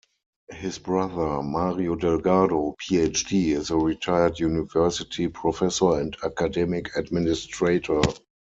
His brother, Mario Delgado, Ph.D., is a retired university professor and academic administrator.